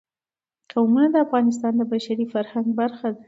قومونه د افغانستان د بشري فرهنګ برخه ده.